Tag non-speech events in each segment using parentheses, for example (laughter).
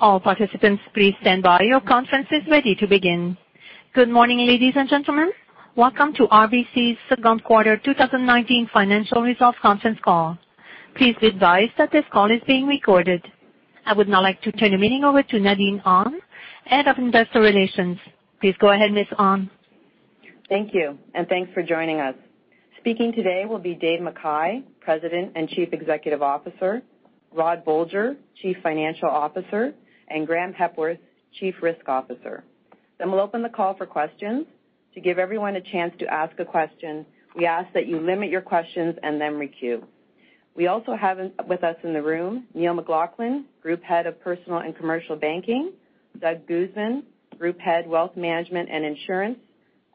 All participants, please stand by. Your conference is ready to begin. Good morning, ladies and gentlemen. Welcome to RBC's second quarter 2019 financial results conference call. Please be advised that this call is being recorded. I would now like to turn the meeting over to Nadine Ahn, Head of Investor Relations. Please go ahead, Ms. Ahn. Thank you, thanks for joining us. Speaking today will be Dave McKay, President and Chief Executive Officer, Rod Bolger, Chief Financial Officer, and Graeme Hepworth, Chief Risk Officer. We'll open the call for questions. To give everyone a chance to ask a question, we ask that you limit your questions and then queue. We also have with us in the room Neil McLaughlin, Group Head of Personal and Commercial Banking, Doug Guzman, Group Head, Wealth Management and Insurance,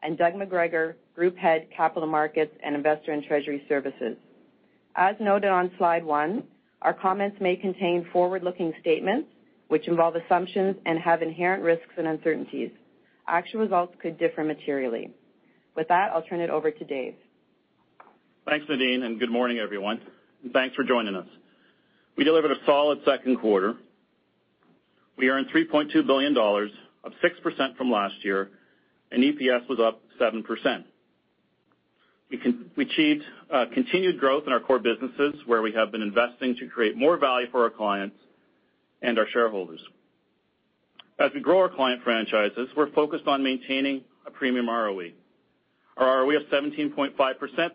and Doug McGregor, Group Head, Capital Markets and Investor & Treasury Services. As noted on slide one, our comments may contain forward-looking statements which involve assumptions and have inherent risks and uncertainties. Actual results could differ materially. With that, I'll turn it over to Dave. Thanks, Nadine, good morning, everyone. Thanks for joining us. We delivered a solid second quarter. We earned 3.2 billion dollars, up 6% from last year. EPS was up 7%. We achieved continued growth in our core businesses, where we have been investing to create more value for our clients and our shareholders. As we grow our client franchises, we're focused on maintaining a premium ROE. Our ROE of 17.5%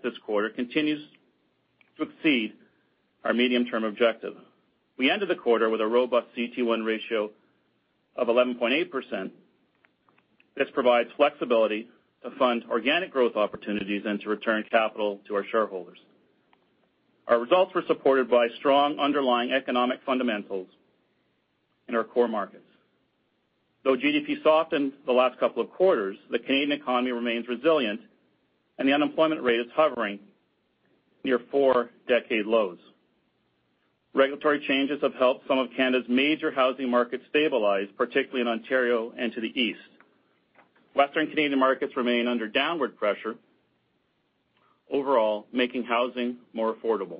this quarter continues to exceed our medium-term objective. We ended the quarter with a robust CET1 ratio of 11.8%. This provides flexibility to fund organic growth opportunities and to return capital to our shareholders. Our results were supported by strong underlying economic fundamentals in our core markets. Though GDP softened the last couple of quarters, the Canadian economy remains resilient, and the unemployment rate is hovering near four-decade lows. Regulatory changes have helped some of Canada's major housing markets stabilize, particularly in Ontario and to the east. Western Canadian markets remain under downward pressure, overall, making housing more affordable.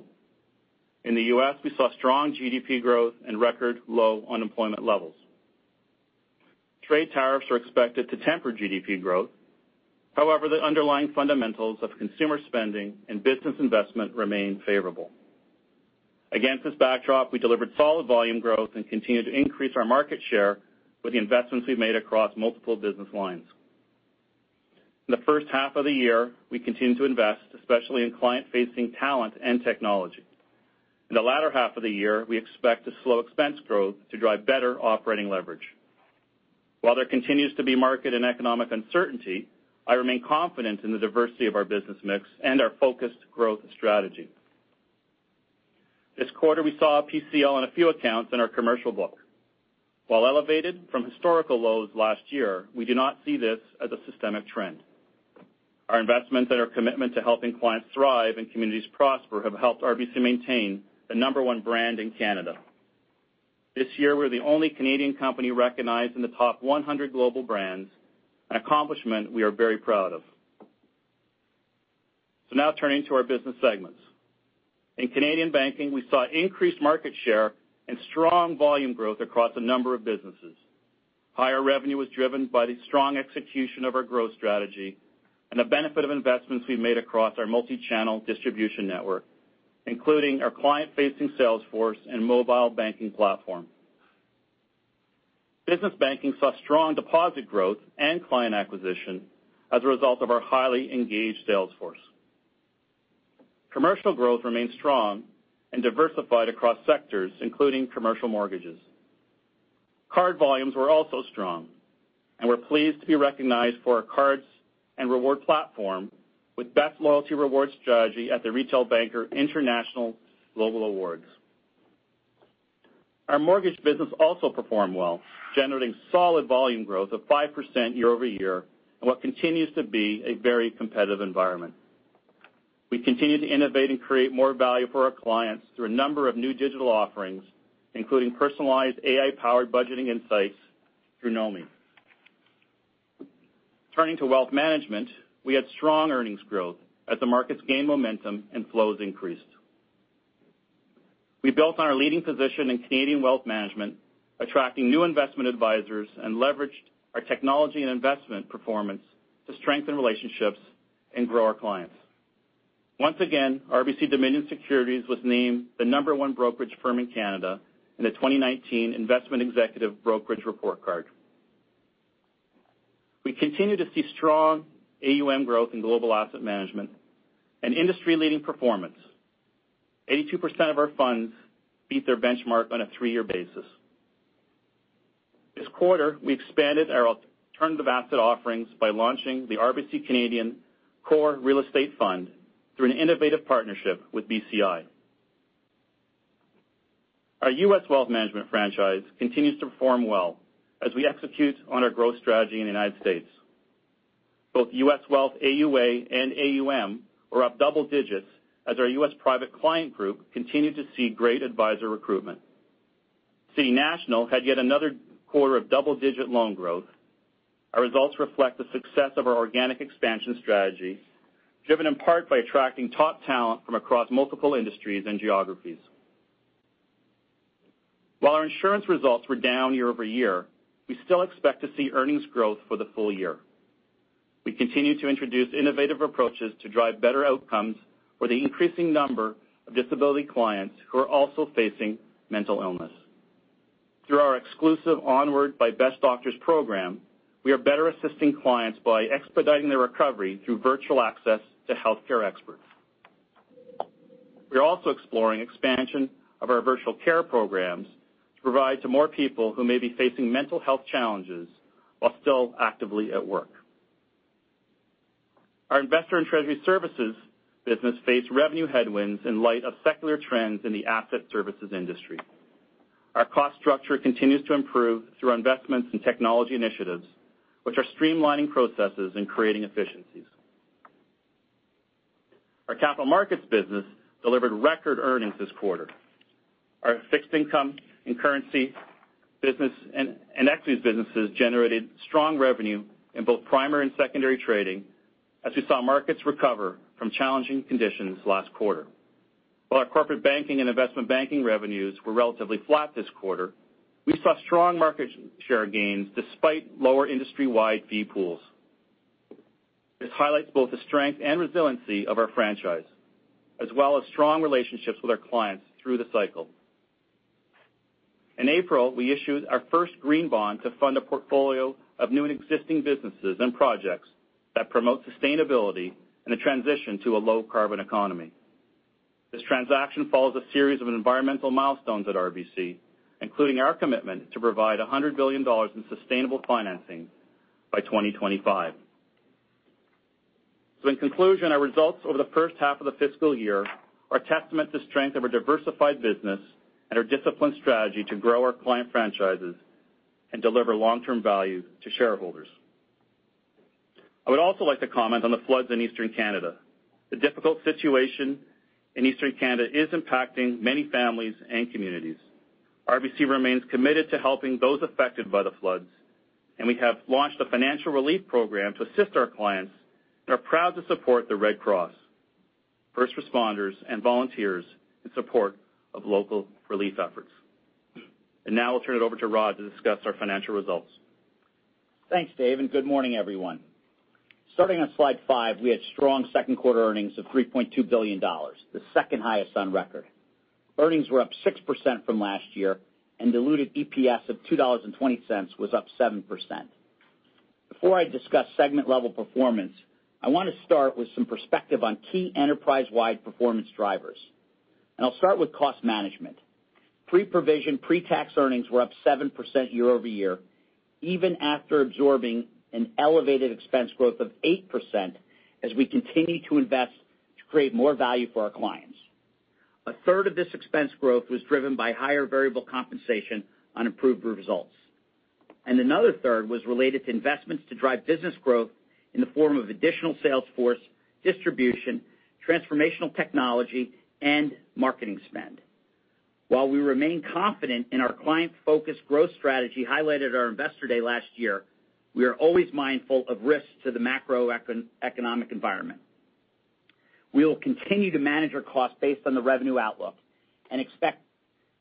In the U.S., we saw strong GDP growth and record low unemployment levels. Trade tariffs are expected to temper GDP growth. However, the underlying fundamentals of consumer spending and business investment remain favorable. Against this backdrop, we delivered solid volume growth and continued to increase our market share with the investments we've made across multiple business lines. In the first half of the year, we continued to invest, especially in client-facing talent and technology. In the latter half of the year, we expect to slow expense growth to drive better operating leverage. While there continues to be market and economic uncertainty, I remain confident in the diversity of our business mix and our focused growth strategy. This quarter, we saw a PCL on a few accounts in our commercial book. While elevated from historical lows last year, we do not see this as a systemic trend. Our investments and our commitment to helping clients thrive and communities prosper have helped RBC maintain the number one brand in Canada. This year, we're the only Canadian company recognized in the top 100 global brands, an accomplishment we are very proud of. Turning to our business segments. In Canadian Banking, we saw increased market share and strong volume growth across a number of businesses. Higher revenue was driven by the strong execution of our growth strategy and the benefit of investments we made across our multi-channel distribution network, including our client-facing sales force and mobile banking platform. Business Banking saw strong deposit growth and client acquisition as a result of our highly engaged sales force. Commercial growth remains strong and diversified across sectors, including commercial mortgages. Card volumes were also strong, and we're pleased to be recognized for our cards and reward platform with Best Loyalty Rewards Strategy at the Retail Banker International Global Awards. Our mortgage business also performed well, generating solid volume growth of 5% year-over-year in what continues to be a very competitive environment. We continue to innovate and create more value for our clients through a number of new digital offerings, including personalized AI-powered budgeting insights through NOMI. Turning to Wealth Management, we had strong earnings growth as the markets gained momentum and flows increased. We built on our leading position in Canadian Wealth Management, attracting new investment advisors, and leveraged our technology and investment performance to strengthen relationships and grow our clients. Once again, RBC Dominion Securities was named the number one brokerage firm in Canada in the 2019 Investment Executive Brokerage Report Card. We continue to see strong AUM growth in Global Asset Management and industry-leading performance. 82% of our funds beat their benchmark on a three-year basis. This quarter, we expanded our alternative asset offerings by launching the RBC Canadian Core Real Estate Fund through an innovative partnership with BCI. Our U.S. Wealth Management franchise continues to perform well as we execute on our growth strategy in the U.S. Both U.S. Wealth AUA and AUM were up double digits as our U.S. Private Client Group continued to see great advisor recruitment. City National had yet another quarter of double-digit loan growth. Our results reflect the success of our organic expansion strategy, driven in part by attracting top talent from across multiple industries and geographies. While our insurance results were down year-over-year, we still expect to see earnings growth for the full year. We continue to introduce innovative approaches to drive better outcomes for the increasing number of disability clients who are also facing mental illness. Through our exclusive Onward by Best Doctors program, we are better assisting clients by expediting their recovery through virtual access to healthcare experts. We are also exploring expansion of our virtual care programs to provide to more people who may be facing mental health challenges while still actively at work. Our Investor and Treasury Services business faced revenue headwinds in light of secular trends in the asset services industry. Our cost structure continues to improve through investments in technology initiatives, which are streamlining processes and creating efficiencies. Our Capital Markets business delivered record earnings this quarter. Our fixed income and currency business and equities businesses generated strong revenue in both primary and secondary trading as we saw markets recover from challenging conditions last quarter. While our corporate banking and investment banking revenues were relatively flat this quarter, we saw strong market share gains despite lower industry-wide fee pools. This highlights both the strength and resiliency of our franchise, as well as strong relationships with our clients through the cycle. In April, we issued our first green bond to fund a portfolio of new and existing businesses and projects that promote sustainability and the transition to a low-carbon economy. This transaction follows a series of environmental milestones at RBC, including our commitment to provide 100 billion dollars in sustainable financing by 2025. In conclusion, our results over the first half of the fiscal year are testament to the strength of our diversified business and our disciplined strategy to grow our client franchises and deliver long-term value to shareholders. I would also like to comment on the floods in Eastern Canada. The difficult situation in Eastern Canada is impacting many families and communities. RBC remains committed to helping those affected by the floods, and we have launched a financial relief program to assist our clients and are proud to support the Red Cross, first responders, and volunteers in support of local relief efforts. Now I'll turn it over to Rod to discuss our financial results. Thanks, Dave, and good morning, everyone. Starting on slide five, we had strong second-quarter earnings of 3.2 billion dollars, the second highest on record. Earnings were up 6% from last year, and diluted EPS of 2.20 dollars was up 7%. Before I discuss segment-level performance, I want to start with some perspective on key enterprise-wide performance drivers, and I'll start with cost management. Pre-provision, pre-tax earnings were up 7% year-over-year, even after absorbing an elevated expense growth of 8% as we continue to invest to create more value for our clients. A third of this expense growth was driven by higher variable compensation on improved results. Another third was related to investments to drive business growth in the form of additional sales force, distribution, transformational technology, and marketing spend. While we remain confident in our client-focused growth strategy highlighted at our Investor Day last year, we are always mindful of risks to the macroeconomic environment. We will continue to manage our costs based on the revenue outlook and expect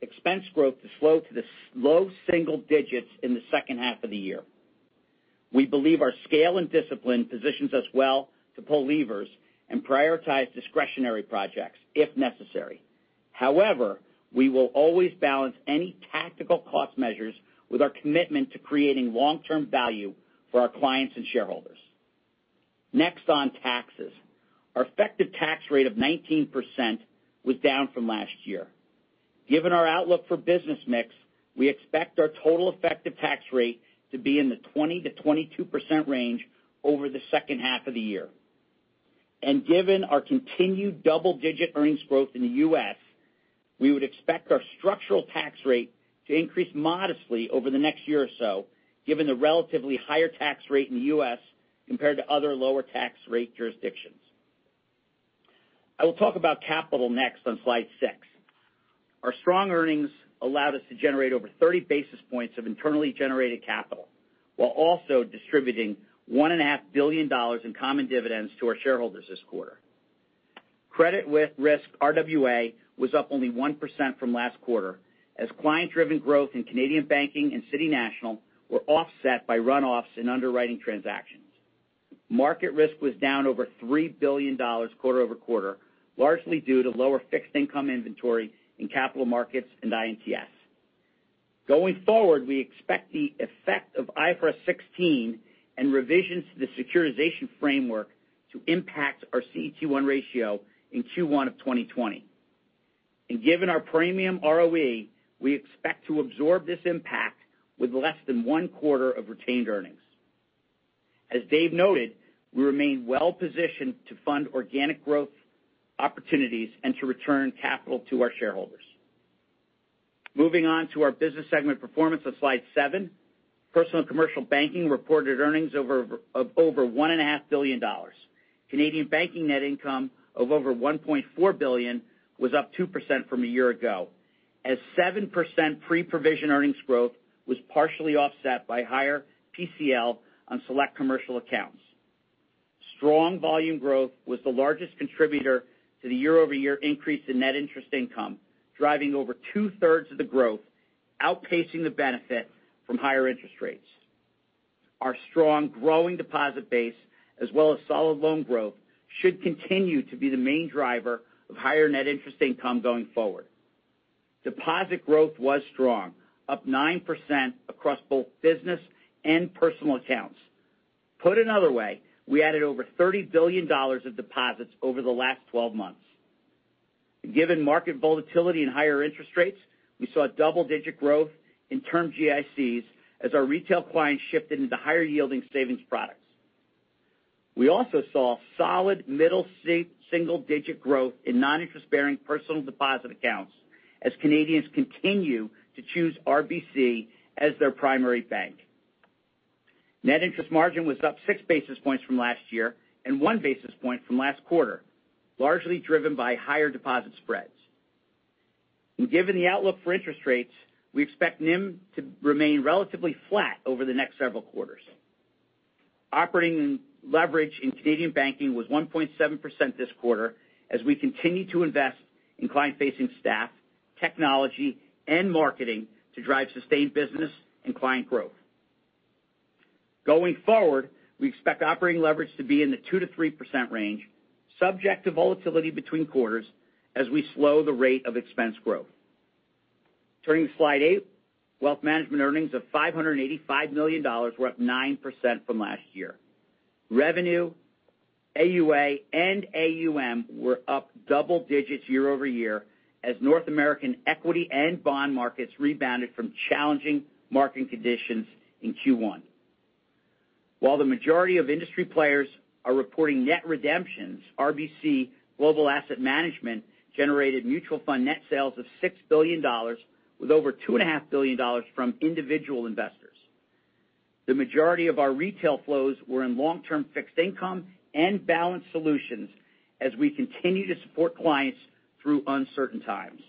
expense growth to slow to the low single digits in the second half of the year. We believe our scale and discipline positions us well to pull levers and prioritize discretionary projects if necessary. However, we will always balance any tactical cost measures with our commitment to creating long-term value for our clients and shareholders. Next, on taxes. Our effective tax rate of 19% was down from last year. Given our outlook for business mix, we expect our total effective tax rate to be in the 20%-22% range over the second half of the year. Given our continued double-digit earnings growth in the U.S., we would expect our structural tax rate to increase modestly over the next year or so, given the relatively higher tax rate in the U.S. compared to other lower tax rate jurisdictions. I will talk about capital next on slide six. Our strong earnings allowed us to generate over 30 basis points of internally generated capital, while also distributing 1.5 billion dollars in common dividends to our shareholders this quarter. Credit risk, RWA, was up only 1% from last quarter, as client-driven growth in Canadian banking and City National were offset by runoffs in underwriting transactions. Market risk was down over 3 billion dollars quarter-over-quarter, largely due to lower fixed income inventory in capital markets and I&TS. Going forward, we expect the effect of IFRS 16 and revisions to the securitization framework to impact our CET1 ratio in Q1 of 2020. Given our premium ROE, we expect to absorb this impact with less than one-quarter of retained earnings. As Dave noted, we remain well-positioned to fund organic growth opportunities and to return capital to our shareholders. Moving on to our business segment performance on slide seven. Personal and Commercial Banking reported earnings of over 1.5 billion Canadian dollars. Canadian banking net income of over 1.4 billion was up 2% from a year ago, as 7% pre-provision earnings growth was partially offset by higher PCL on select commercial accounts. Strong volume growth was the largest contributor to the year-over-year increase in net interest income, driving over two-thirds of the growth, outpacing the benefit from higher interest rates. Our strong growing deposit base, as well as solid loan growth, should continue to be the main driver of higher net interest income going forward. Deposit growth was strong, up 9% across both business and personal accounts. Put another way, we added over 30 billion dollars of deposits over the last 12 months. Given market volatility and higher interest rates, we saw double-digit growth in term GICs as our retail clients shifted into higher-yielding savings products. We also saw solid middle single-digit growth in non-interest-bearing personal deposit accounts as Canadians continue to choose RBC as their primary bank. Net interest margin was up six basis points from last year and one basis point from last quarter, largely driven by higher deposit spreads. Given the outlook for interest rates, we expect NIM to remain relatively flat over the next several quarters. Operating leverage in Canadian banking was 1.7% this quarter as we continue to invest in client-facing staff, technology, and marketing to drive sustained business and client growth. Going forward, we expect operating leverage to be in the 2%-3% range, subject to volatility between quarters, as we slow the rate of expense growth. Turning to slide eight, wealth management earnings of 585 million dollars were up 9% from last year. Revenue, AUA, and AUM were up double digits year-over-year as North American equity and bond markets rebounded from challenging market conditions in Q1. While the majority of industry players are reporting net redemptions, RBC Global Asset Management generated mutual fund net sales of 6 billion dollars with over 2.5 billion dollars from individual investors. The majority of our retail flows were in long-term fixed income and balanced solutions as we continue to support clients through uncertain times.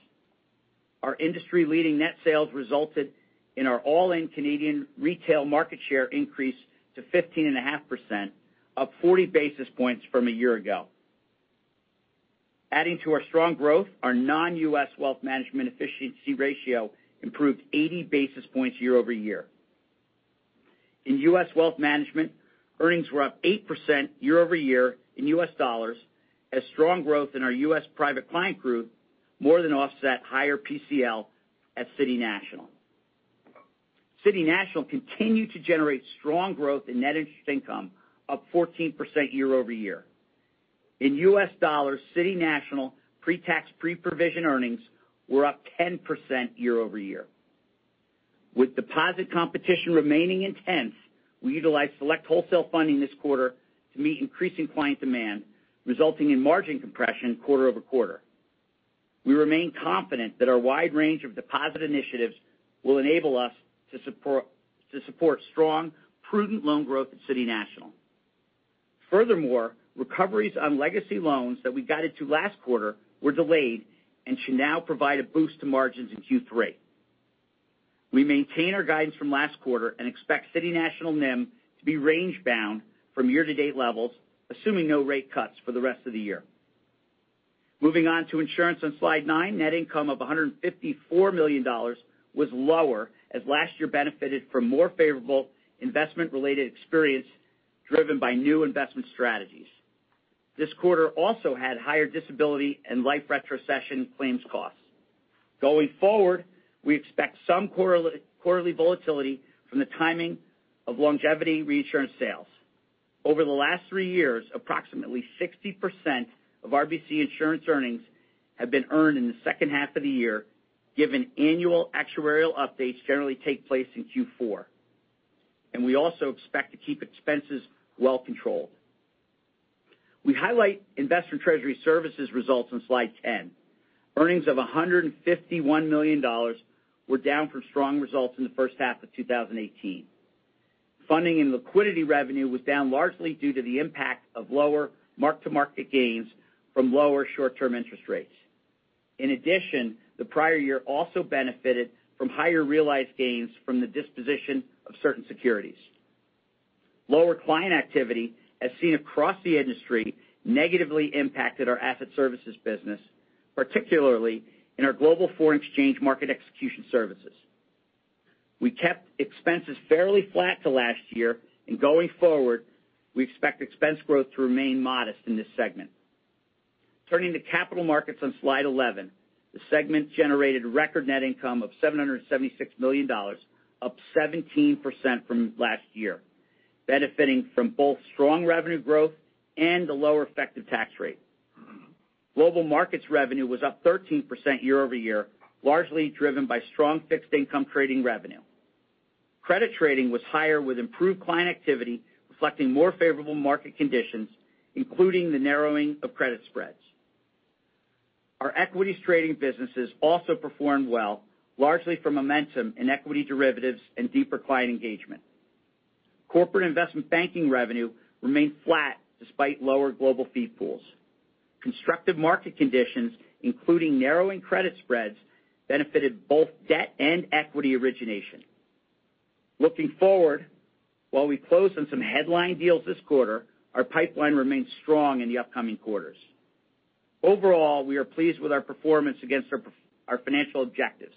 Our industry-leading net sales resulted in our all-in Canadian retail market share increase to 15.5%, up 40 basis points from a year ago. Adding to our strong growth, our non-U.S. wealth management efficiency ratio improved 80 basis points year-over-year. In U.S. wealth management, earnings were up 8% year-over-year in U.S. dollars as strong growth in our U.S. private client group more than offset higher PCL at City National. City National continued to generate strong growth in net interest income, up 14% year-over-year. In U.S. dollars, City National pre-tax, pre-provision earnings were up 10% year-over-year. With deposit competition remaining intense, we utilized select wholesale funding this quarter to meet increasing client demand, resulting in margin compression quarter-over-quarter. We remain confident that our wide range of deposit initiatives will enable us to support strong, prudent loan growth at City National. Furthermore, recoveries on legacy loans that we guided to last quarter were delayed and should now provide a boost to margins in Q3. We maintain our guidance from last quarter and expect City National NIM to be range-bound from year-to-date levels, assuming no rate cuts for the rest of the year. Moving on to insurance on slide nine, net income of 154 million dollars was lower as last year benefited from more favorable investment-related experience driven by new investment strategies. This quarter also had higher disability and life retrocession claims costs. We expect some quarterly volatility from the timing of longevity reinsurance sales. Over the last three years, approximately 60% of RBC insurance earnings have been earned in the second half of the year, given annual actuarial updates generally take place in Q4. We also expect to keep expenses well controlled. We highlight Investor & Treasury Services results on slide 10. Earnings of 151 million dollars were down from strong results in the first half of 2018. Funding and liquidity revenue was down largely due to the impact of lower mark-to-market gains from lower short-term interest rates. In addition, the prior year also benefited from higher realized gains from the disposition of certain securities. Lower client activity, as seen across the industry, negatively impacted our asset services business, particularly in our global foreign exchange market execution services. We kept expenses fairly flat to last year and, going forward, we expect expense growth to remain modest in this segment. Turning to Capital Markets on slide 11, the segment generated record net income of 776 million dollars, up 17% from last year, benefiting from both strong revenue growth and a lower effective tax rate. Global markets revenue was up 13% year-over-year, largely driven by strong fixed income trading revenue. Credit trading was higher with improved client activity reflecting more favorable market conditions, including the narrowing of credit spreads. Our equities trading businesses also performed well, largely from momentum in equity derivatives and deeper client engagement. Corporate Investment Banking revenue remained flat despite lower global fee pools. Constructive market conditions, including narrowing credit spreads, benefited both debt and equity origination. Looking forward, while we closed on some headline deals this quarter, our pipeline remains strong in the upcoming quarters. Overall, we are pleased with our performance against our financial objectives.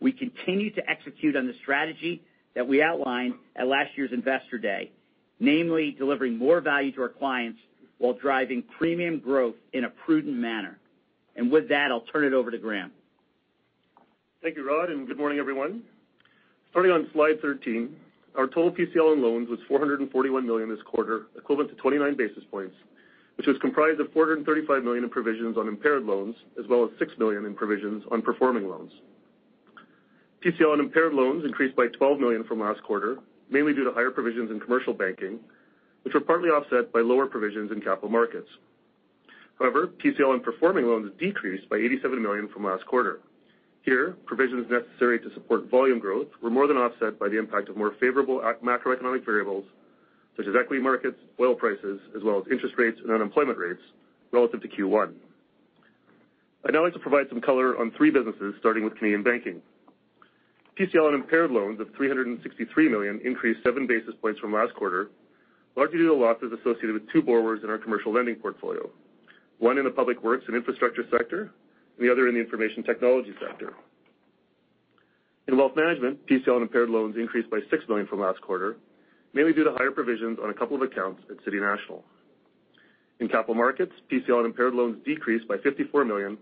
We continue to execute on the strategy that we outlined at last year's Investor Day, namely delivering more value to our clients while driving premium growth in a prudent manner. With that, I'll turn it over to Graeme. Thank you, Rod, good morning, everyone. Starting on slide 13, our total PCL on loans was 441 million this quarter, equivalent to 29 basis points, which was comprised of 435 million in provisions on impaired loans, as well as 6 million in provisions on performing loans. PCL on impaired loans increased by 12 million from last quarter, mainly due to higher provisions in Commercial Banking, which were partly offset by lower provisions in Capital Markets. PCL on performing loans decreased by 87 million from last quarter. Here, provisions necessary to support volume growth were more than offset by the impact of more favorable macroeconomic variables such as equity markets, oil prices, as well as interest rates and unemployment rates relative to Q1. I'd now like to provide some color on three businesses, starting with Canadian Banking. PCL on impaired loans of 363 million increased seven basis points from last quarter, largely due to losses associated with two borrowers in our commercial lending portfolio, one in the public works and infrastructure sector and the other in the information technology sector. In Wealth Management, PCL on impaired loans increased by 6 million from last quarter, mainly due to higher provisions on a couple of accounts at City National. In Capital Markets, PCL on impaired loans decreased by 54 million,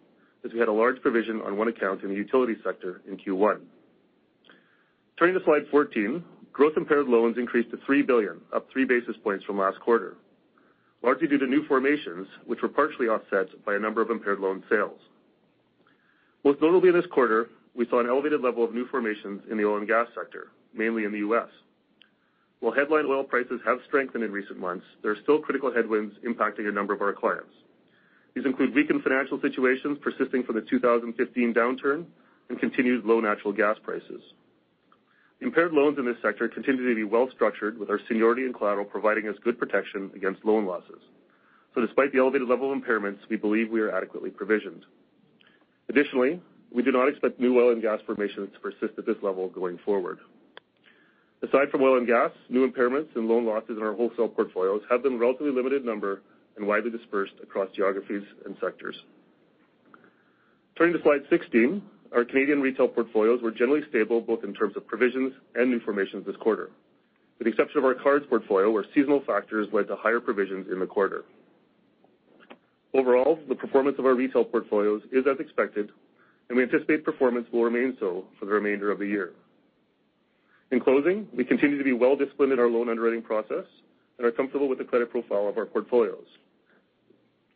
as we had a large provision on one account in the utility sector in Q1. Turning to slide 14, gross impaired loans increased to 3 billion, up three basis points from last quarter, largely due to new formations, which were partially offset by a number of impaired loan sales. Most notably this quarter, we saw an elevated level of new formations in the oil and gas sector, mainly in the U.S. While headline oil prices have strengthened in recent months, there are still critical headwinds impacting a number of our clients. These include weakened financial situations persisting from the 2015 downturn and continued low natural gas prices. Impaired loans in this sector continue to be well-structured, with our seniority and collateral providing us good protection against loan losses. Despite the elevated level of impairments, we believe we are adequately provisioned. We do not expect new oil and gas formations to persist at this level going forward. Aside from oil and gas, new impairments and loan losses in our wholesale portfolios have been relatively limited in number and widely dispersed across geographies and sectors. Turning to slide 16, our Canadian retail portfolios were generally stable both in terms of provisions and new formations this quarter, with the exception of our cards portfolio, where seasonal factors led to higher provisions in the quarter. Overall, the performance of our retail portfolios is as expected, and we anticipate performance will remain so for the remainder of the year. In closing, we continue to be well-disciplined in our loan underwriting process and are comfortable with the credit profile of our portfolios.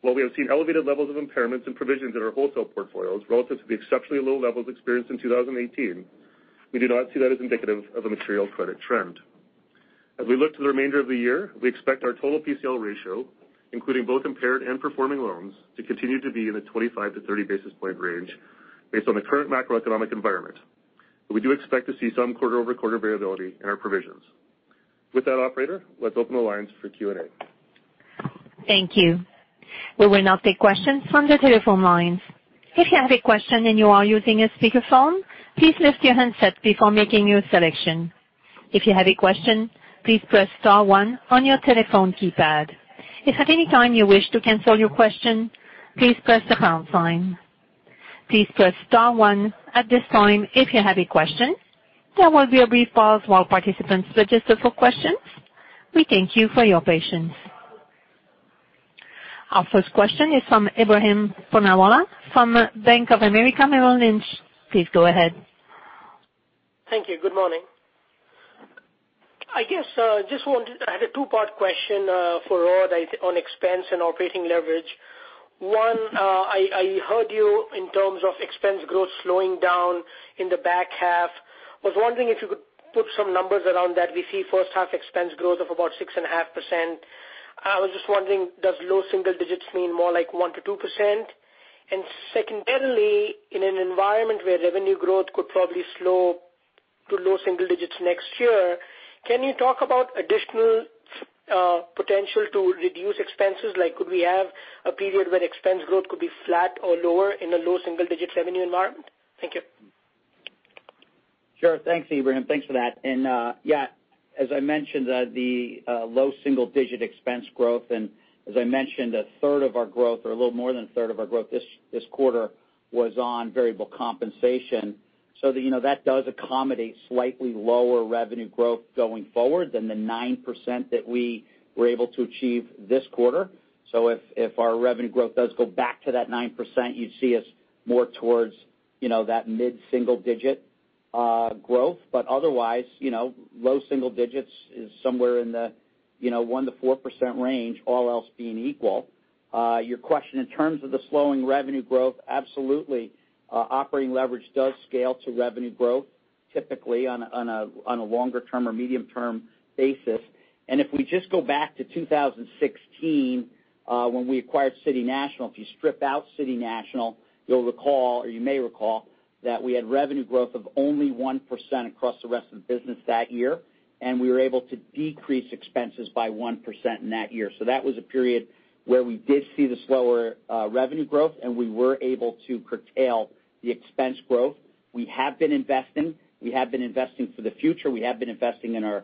While we have seen elevated levels of impairments and provisions in our wholesale portfolios relative to the exceptionally low levels experienced in 2018, we do not see that as indicative of a material credit trend. As we look to the remainder of the year, we expect our total PCL ratio, including both impaired and performing loans, to continue to be in the 25 to 30 basis point range based on the current macroeconomic environment. We do expect to see some quarter-over-quarter variability in our provisions. With that, operator, let's open the lines for Q&A. Thank you. We will now take questions from the telephone lines. If you have a question and you are using a speakerphone, please lift your handset before making your selection. If you have a question, please press star one on your telephone keypad. If at any time you wish to cancel your question, please press the pound sign. Please press star one at this time if you have a question. There will be a brief pause while participants register for questions. We thank you for your patience. Our first question is from Ebrahim Poonawala from Bank of America Merrill Lynch. Please go ahead. Thank you. Good morning. I guess, I had a two-part question for Rod on expense and operating leverage. One, I heard you in terms of expense growth slowing down in the back half. Was wondering if you could put some numbers around that. We see first half expense growth of about 6.5%. I was just wondering, does low single digits mean more like 1%-2%? Secondly, in an environment where revenue growth could probably slow to low single digits next year, can you talk about additional potential to reduce expenses? Could we have a period where expense growth could be flat or lower in a low single-digit revenue environment? Thank you. Sure. Thanks, Ebrahim. Thanks for that. As I mentioned, the low single-digit expense growth, as I mentioned, a third of our growth or a little more than a third of our growth this quarter was on variable compensation. That does accommodate slightly lower revenue growth going forward than the 9% that we were able to achieve this quarter. If our revenue growth does go back to that 9%, you'd see us more towards that mid-single-digit growth. Otherwise, low single digits is somewhere in the 1%-4% range, all else being equal. Your question in terms of the slowing revenue growth, absolutely. Operating leverage does scale to revenue growth typically on a longer-term or medium-term basis. If we just go back to 2016, when we acquired City National, if you strip out City National, you may recall that we had revenue growth of only 1% across the rest of the business that year, and we were able to decrease expenses by 1% in that year. That was a period where we did see the slower revenue growth, and we were able to curtail the expense growth. We have been investing. We have been investing for the future. We have been investing in our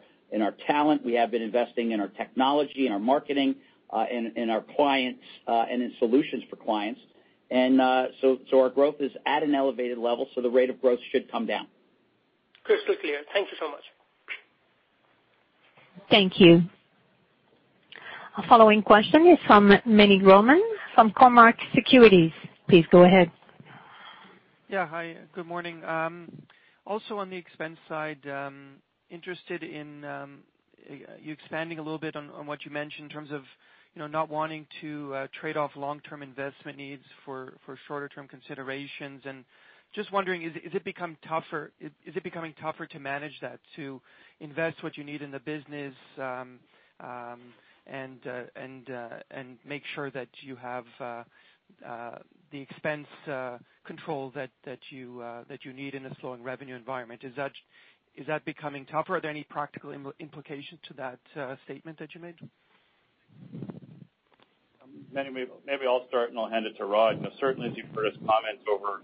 talent. We have been investing in our technology, in our marketing, in our clients, and in solutions for clients. Our growth is at an elevated level, so the rate of growth should come down. Crystal clear. Thank you so much. Thank you. Our following question is from Meny Grauman from Cormark Securities. Please go ahead. Hi, good morning. Also on the expense side, interested in you expanding a little bit on what you mentioned in terms of not wanting to trade off long-term investment needs for shorter-term considerations. Just wondering, is it becoming tougher to manage that, to invest what you need in the business, and make sure that you have the expense control that you need in a slowing revenue environment? Is that becoming tougher? Are there any practical implications to that statement that you made? Meny, maybe I'll start. I'll hand it to Rod. Certainly, as you've heard us comment over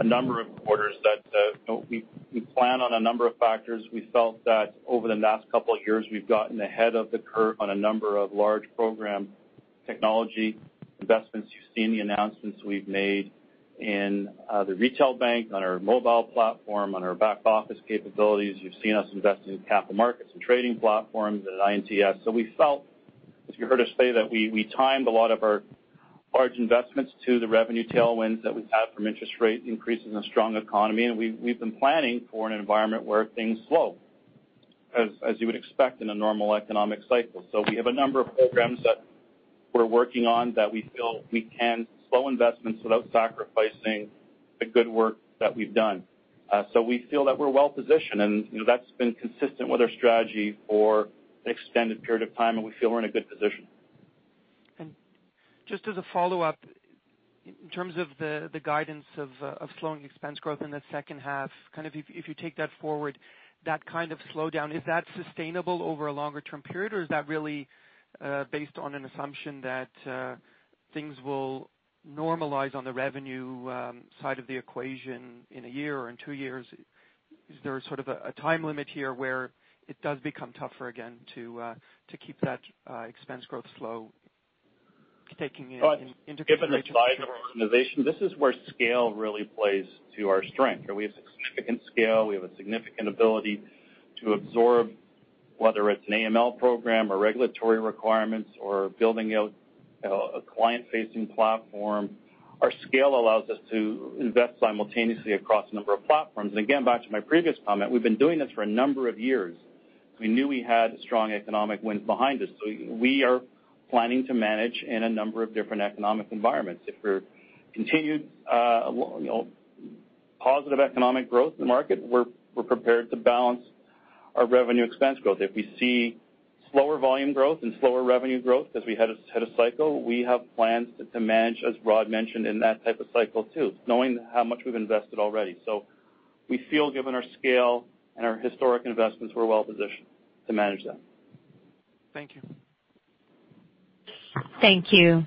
a number of quarters that we plan on a number of factors. We felt that over the last couple of years, we've gotten ahead of the curve on a number of large program technology investments. You've seen the announcements we've made in the retail bank, on our mobile platform, on our back office capabilities. You've seen us invest in capital markets and trading platforms and in I&TS. We felt, as you heard us say, that we timed a lot of our large investments to the revenue tailwinds that we've had from interest rate increases and strong economy, and we've been planning for an environment where things slow, as you would expect in a normal economic cycle. We have a number of programs that we're working on that we feel we can slow investments without sacrificing the good work that we've done. We feel that we're well positioned, and that's been consistent with our strategy for an extended period of time, and we feel we're in a good position. Just as a follow-up, in terms of the guidance of slowing expense growth in the second half, if you take that forward, that kind of slowdown, is that sustainable over a longer-term period, or is that really based on an assumption that things will normalize on the revenue side of the equation in a year or in two years? Is there a time limit here where it does become tougher again to keep that expense growth slow? Given the size of our organization, this is where scale really plays to our strength. We have significant scale. We have a significant ability to absorb, whether it's an AML program or regulatory requirements or building out a client-facing platform. Our scale allows us to invest simultaneously across a number of platforms. Again, back to my previous comment, we've been doing this for a number of years. We knew we had strong economic winds behind us. We are planning to manage in a number of different economic environments. If we're continued positive economic growth in the market, we're prepared to balance our revenue expense growth. If we see slower volume growth and slower revenue growth as we hit a cycle, we have plans to manage, as Rod mentioned, in that type of cycle too, knowing how much we've invested already. We feel given our scale and our historic investments, we're well positioned to manage that. Thank you. Thank you.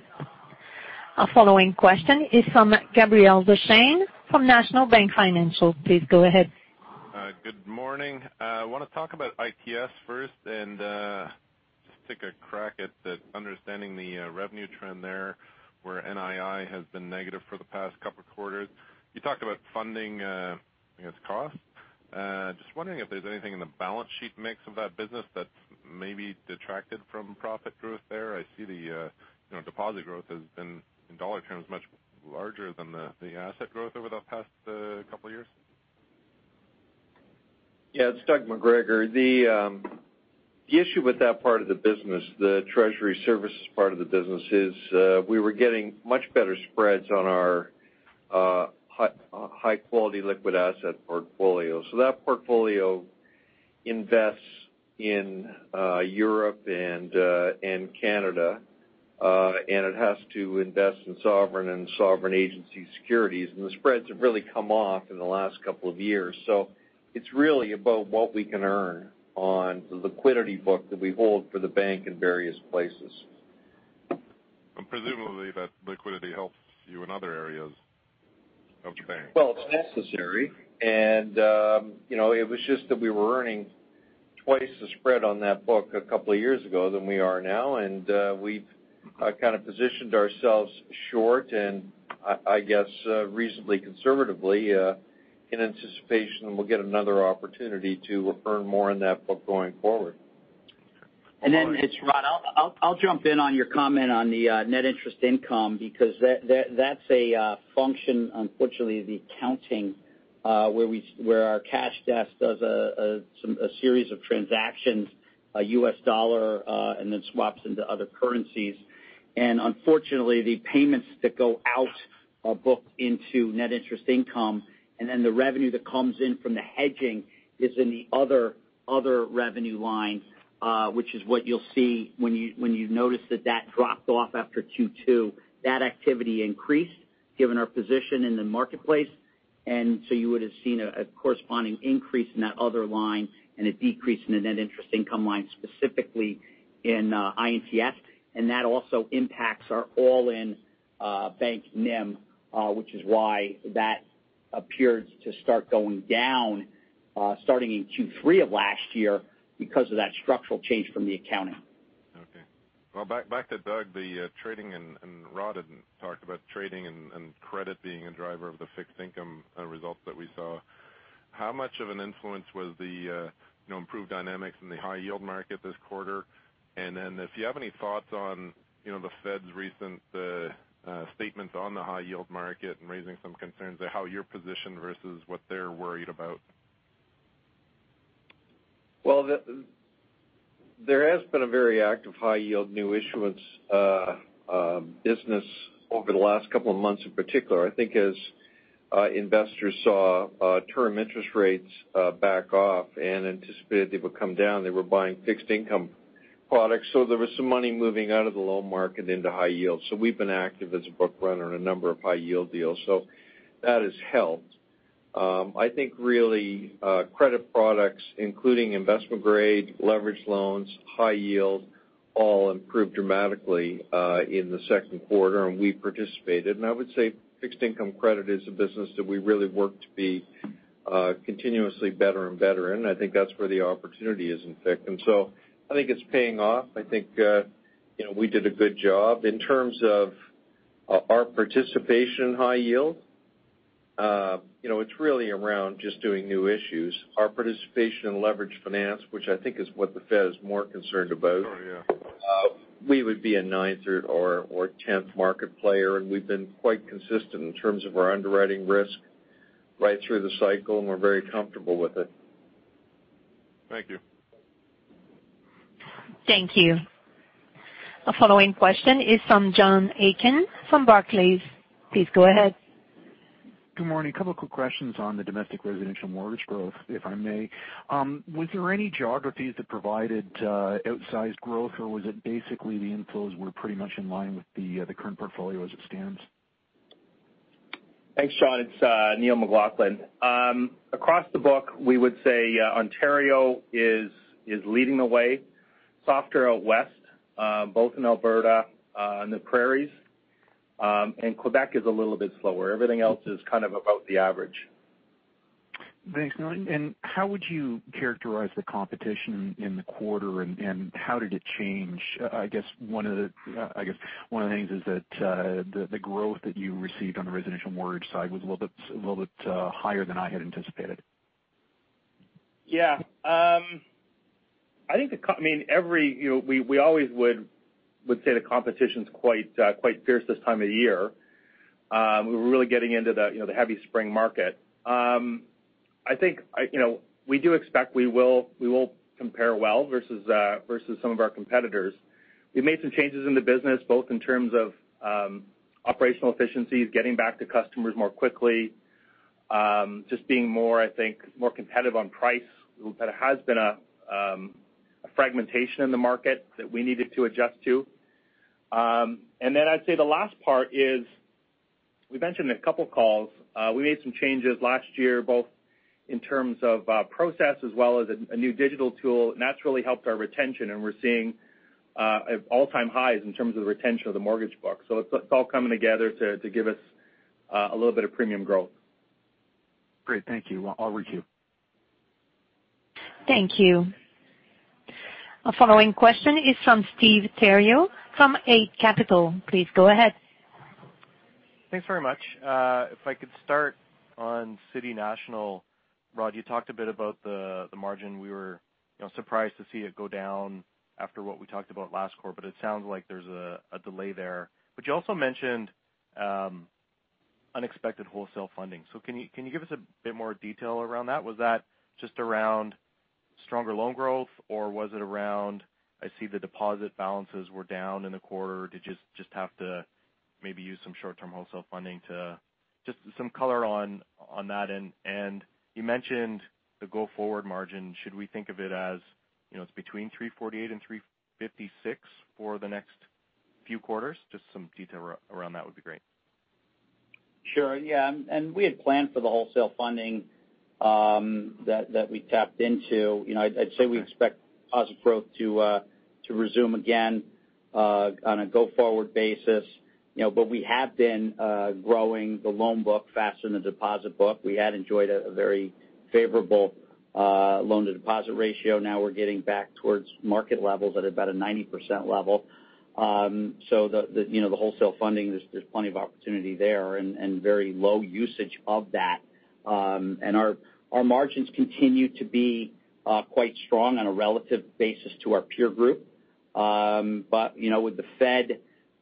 Our following question is from Gabriel Dechaine from National Bank Financial. Please go ahead. Good morning. I want to talk about ITS first and just take a crack at understanding the revenue trend there, where NII has been negative for the past couple of quarters. You talked about funding its cost. Just wondering if there's anything in the balance sheet mix of that business that's maybe detracted from profit growth there. I see the deposit growth has been, in dollar terms, much larger than the asset growth over the past couple of years. Yeah, it's Doug McGregor. The issue with that part of the business, the treasury services part of the business is we were getting much better spreads on our high-quality liquid asset portfolio. That portfolio invests in Europe and Canada, and it has to invest in sovereign and sovereign agency securities, and the spreads have really come off in the last couple of years. It's really about what we can earn on the liquidity book that we hold for the bank in various places. Presumably that liquidity helps you in other areas of the bank. Well, it's necessary, it was just that we were earning twice the spread on that book a couple of years ago than we are now, we've kind of positioned ourselves short I guess reasonably conservatively in anticipation we'll get another opportunity to earn more on that book going forward. It's Rod. I'll jump in on your comment on the net interest income because that's a function, unfortunately, of the accounting where our cash desk does a series of transactions a U.S. dollar, then swaps into other currencies. Unfortunately, the payments that go out are booked into net interest income, then the revenue that comes in from the hedging is in the other revenue line, which is what you'll see when you notice that that dropped off after Q2. That activity increased given our position in the marketplace. So you would've seen a corresponding increase in that other line and a decrease in the net interest income line, specifically in I&TS. That also impacts our all-in bank NIM, which is why that appeared to start going down starting in Q3 of last year because of that structural change from the accounting. Okay. Well, back to Doug, the trading, Rod had talked about trading and credit being a driver of the fixed income results that we saw. How much of an influence was the improved dynamics in the high yield market this quarter? If you have any thoughts on the Fed's recent statements on the high yield market and raising some concerns of how you're positioned versus what they're worried about. Well, there has been a very active high yield new issuance business over the last couple of months, in particular. I think as investors saw term interest rates back off and anticipated they would come down, they were buying fixed income products. There was some money moving out of the loan market into high yield. We've been active as a book runner in a number of high yield deals. That has helped. I think really, credit products, including investment grade, leverage loans, high yield, all improved dramatically in the second quarter, and we participated. I would say fixed income credit is a business that we really work to be continuously better and better in. I think that's where the opportunity is, in fact. I think it's paying off. I think we did a good job. In terms of our participation in high yield, it's really around just doing new issues. Our participation in leveraged finance, which I think is what the Fed is more concerned about. Oh, yeah. we would be a ninth or tenth market player. We've been quite consistent in terms of our underwriting risk right through the cycle. We're very comfortable with it. Thank you. Thank you. Our following question is from John Aiken from Barclays. Please go ahead. Good morning. A couple of quick questions on the domestic residential mortgage growth, if I may. Was there any geographies that provided outsized growth, or was it basically the inflows were pretty much in line with the current portfolio as it stands? Thanks, John. It's Neil McLaughlin. Across the book, we would say Ontario is leading the way. Softer out west, both in Alberta and the Prairies. Quebec is a little bit slower. Everything else is kind of about the average. Thanks, Neil. How would you characterize the competition in the quarter, and how did it change? I guess one of the things is that the growth that you received on the residential mortgage side was a little bit higher than I had anticipated. Yeah. We always would say the competition's quite fierce this time of year. We were really getting into the heavy spring market. I think we do expect we will compare well versus some of our competitors. We made some changes in the business, both in terms of operational efficiencies, getting back to customers more quickly, just being more competitive on price. There has been a fragmentation in the market that we needed to adjust to. Then I'd say the last part is, we mentioned in a couple of calls, we made some changes last year, both in terms of process as well as a new digital tool. That's really helped our retention, and we're seeing all-time highs in terms of the retention of the mortgage book. It's all coming together to give us a little bit of premium growth. Great. Thank you. I'll recue. Thank you. Our following question is from Steve Theriault from Eight Capital. Please go ahead. Thanks very much. If I could start on City National. Rod, you talked a bit about the margin. We were surprised to see it go down after what we talked about last quarter, but it sounds like there's a delay there. You also mentioned unexpected wholesale funding. Can you give us a bit more detail around that? Was that just around stronger loan growth, or was it around, I see the deposit balances were down in the quarter. Did you just have to maybe use some short-term wholesale funding? Just some color on that. You mentioned the go-forward margin. Should we think of it as it's between 348 and 356 for the next few quarters? Just some detail around that would be great. Sure. Yeah. We had planned for the wholesale funding that we tapped into. I'd say we expect deposit growth to resume again on a go-forward basis. We have been growing the loan book faster than the deposit book. We had enjoyed a very favorable loan-to-deposit ratio. Now we're getting back towards market levels at about a 90% level. The wholesale funding, there's plenty of opportunity there and very low usage of that. Our margins continue to be quite strong on a relative basis to our peer group. With the Fed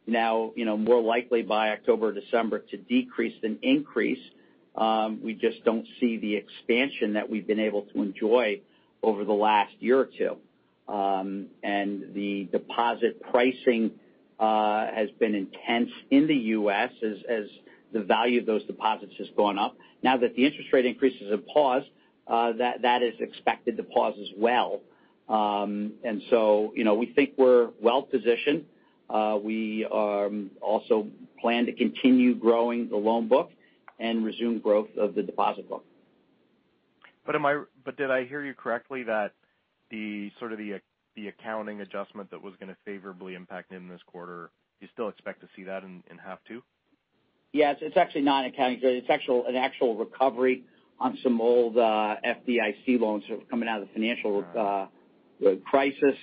now more likely by October or December to decrease than increase, we just don't see the expansion that we've been able to enjoy over the last year or two. The deposit pricing has been intense in the U.S. as the value of those deposits has gone up. Now that the interest rate increases have paused, that is expected to pause as well. We think we're well positioned. We also plan to continue growing the loan book and resume growth of the deposit book. Did I hear you correctly that the sort of the accounting adjustment that was going to favorably impact in this quarter, do you still expect to see that in half 2? Yes. It's actually not accounting. It's an actual recovery on some old FDIC loans that were coming out of the financial crisis.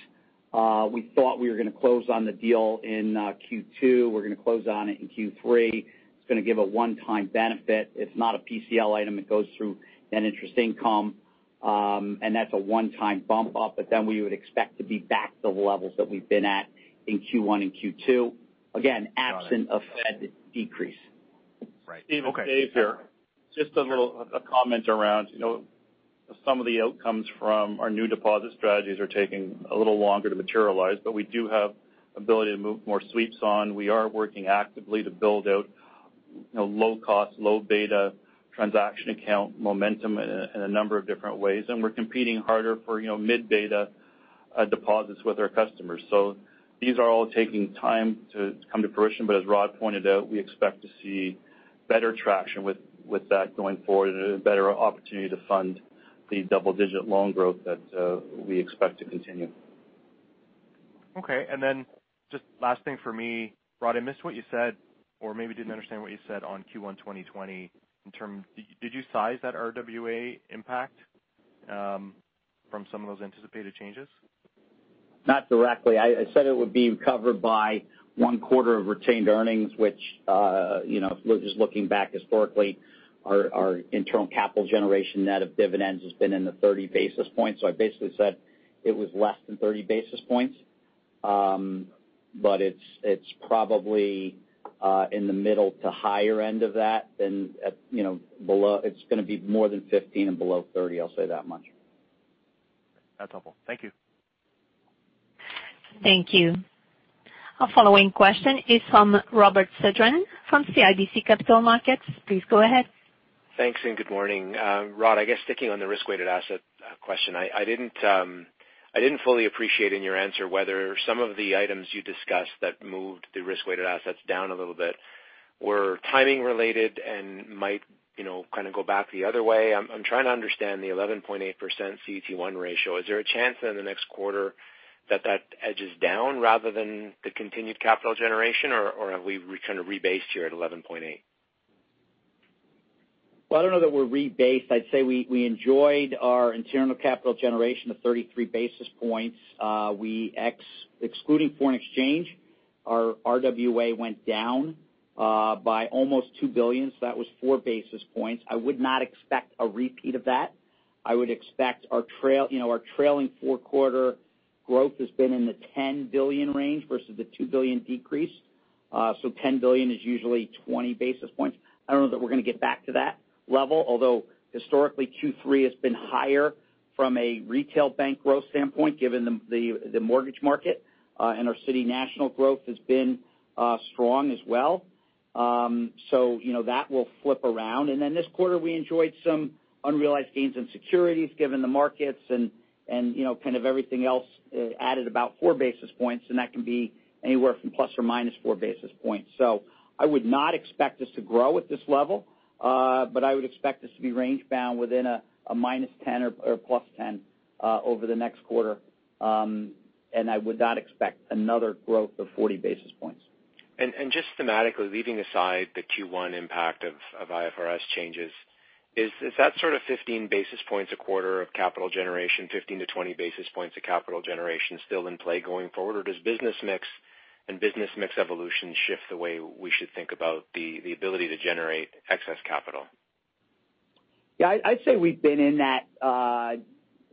We thought we were going to close on the deal in Q2. We're going to close on it in Q3. It's going to give a one-time benefit. It's not a PCL item. It goes through net interest income. That's a one-time bump up, we would expect to be back to the levels that we've been at in Q1 and Q2. Got it. Absent a Fed decrease. Right. Okay. Dave here. Just a little comment around some of the outcomes from our new deposit strategies are taking a little longer to materialize, but we do have ability to move more sweeps on. We are working actively to build out low cost, low beta transaction account momentum in a number of different ways. We're competing harder for mid-beta deposits with our customers. These are all taking time to come to fruition. As Rod pointed out, we expect to see better traction with that going forward and a better opportunity to fund the double-digit loan growth that we expect to continue. Okay, just last thing for me, Rod, I missed what you said, or maybe didn't understand what you said on Q1 2020. Did you size that RWA impact from some of those anticipated changes? Not directly. I said it would be covered by one quarter of retained earnings, which, just looking back historically, our internal capital generation net of dividends has been in the 30 basis points. I basically said it was less than 30 basis points. It's probably in the middle to higher end of that. It's going to be more than 15 and below 30, I'll say that much. That's helpful. Thank you. Thank you. Our following question is from Robert Sedran from CIBC Capital Markets. Please go ahead. Thanks. Good morning. Rod, I guess sticking on the risk-weighted asset question, I didn't fully appreciate in your answer whether some of the items you discussed that moved the risk-weighted assets down a little bit were timing related and might kind of go back the other way. I'm trying to understand the 11.8% CET1 ratio. Is there a chance in the next quarter that that edges down rather than the continued capital generation, or have we kind of rebased here at 11.8? I don't know that we're rebased. I'd say we enjoyed our internal capital generation of 33 basis points. Excluding foreign exchange, our RWA went down by almost 2 billion. That was four basis points. I would not expect a repeat of that. I would expect our trailing four-quarter growth has been in the 10 billion range versus the 2 billion decrease. 10 billion is usually 20 basis points. I don't know that we're going to get back to that level, although historically Q3 has been higher from a retail bank growth standpoint, given the mortgage market. Our City National growth has been strong as well. That will flip around. Then this quarter, we enjoyed some unrealized gains in securities, given the markets, and kind of everything else added about four basis points, and that can be anywhere from plus or minus four basis points. I would not expect us to grow at this level, but I would expect us to be range bound within a -10 or +10 over the next quarter. I would not expect another growth of 40 basis points. Just thematically, leaving aside the Q1 impact of IFRS changes, is that sort of 15 basis points a quarter of capital generation, 15-20 basis points of capital generation still in play going forward, or does business mix and business mix evolution shift the way we should think about the ability to generate excess capital? Yeah. I'd say we've been in that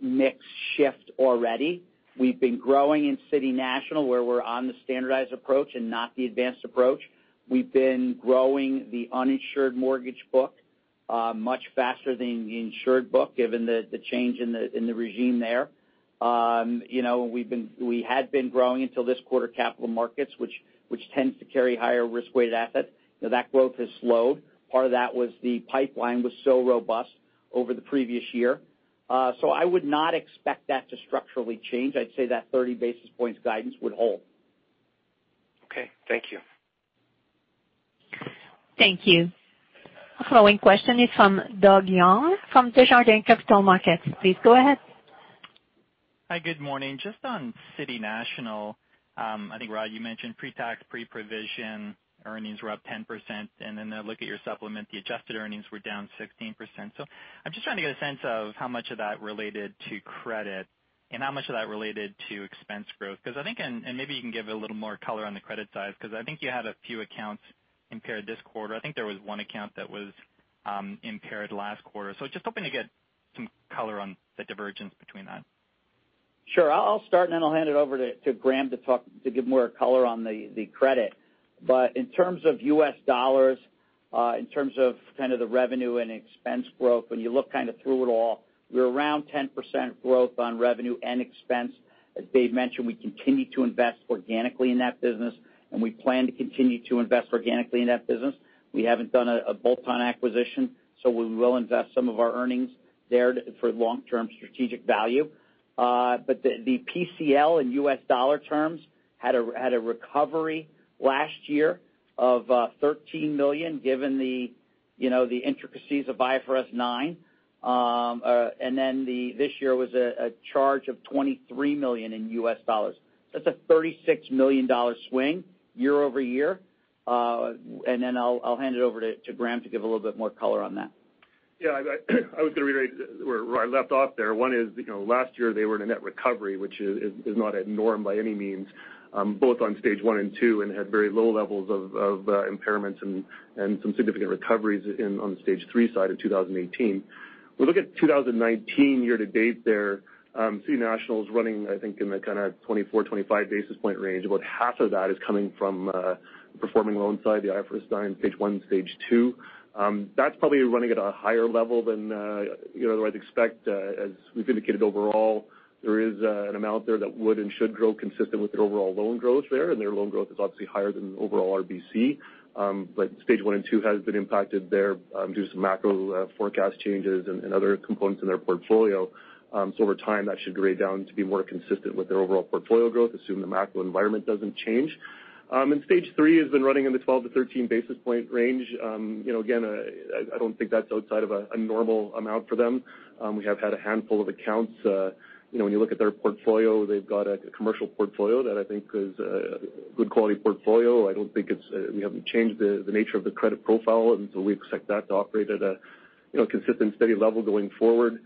mix shift already. We've been growing in City National, where we're on the standardized approach and not the advanced approach. We've been growing the uninsured mortgage book much faster than the insured book, given the change in the regime there. We had been growing until this quarter capital markets, which tends to carry higher risk-weighted assets. That growth has slowed. Part of that was the pipeline was so robust over the previous year. I would not expect that to structurally change. I'd say that 30 basis points guidance would hold. Okay. Thank you. Thank you. Our following question is from Doug Young from Desjardins Capital Markets. Please go ahead. Hi, good morning. Just on City National. I think, Rod, you mentioned pre-tax, pre-provision earnings were up 10%, and then I look at your supplement, the adjusted earnings were down 16%. I'm just trying to get some sense of how much of that related to credit, and how much of that related to expense growth, because I think, and maybe you can give a little more color on the credit side, because I think you had a few accounts impaired this quarter. I think there was one account that was impaired last quarter. Just hoping to get some color on the divergence between that. Sure. I'll start, and then I'll hand it over to Graeme to give more color on the credit. In terms of US dollars, in terms of the revenue and expense growth, when you look through it all, we're around 10% growth on revenue and expense. As Dave mentioned, we continue to invest organically in that business, and we plan to continue to invest organically in that business. We haven't done a bolt-on acquisition, so we will invest some of our earnings there for long-term strategic value. But the PCL in US dollar terms had a recovery last year of $13 million, given the intricacies of IFRS 9. This year was a charge of $23 million in US dollars. That's a $36 million swing year-over-year. I'll hand it over to Graeme to give a little bit more color on that. Yeah. I was going to reiterate where I left off there. One is, last year they were in a net recovery, which is not a norm by any means, both on Stage 1 and 2, and had very low levels of impairments and some significant recoveries on Stage 3 side in 2018. We look at 2019 year-to-date there, City National is running, I think, in the kind of 24, 25 basis point range. About half of that is coming from the performing loan side, the IFRS 9 Stage 1, Stage 2. That's probably running at a higher level than I'd expect. As we've indicated overall, there is an amount there that would and should grow consistent with their overall loan growth there, their loan growth is obviously higher than overall RBC. Stage 1 and 2 has been impacted there due to some macro forecast changes and other components in their portfolio. Over time, that should grade down to be more consistent with their overall portfolio growth, assuming the macro environment doesn't change. Stage 3 has been running in the 12-13 basis point range. I don't think that's outside of a normal amount for them. We have had a handful of accounts. When you look at their portfolio, they've got a commercial portfolio that I think is a good quality portfolio. We haven't changed the nature of the credit profile, we expect that to operate at a consistent, steady level going forward.